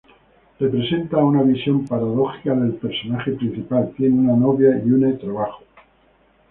Representa una visión paradójica del personaje principal; tiene una novia y une trabajo.